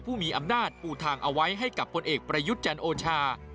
ผู้มีอำนาจปูทางเอาไว้ให้กับพลเอกประยุทธ์จันทร์โอชา